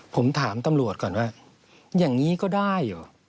ผมถามตำรวจก่อนว่าอย่างนี้ก็ได้เหรอ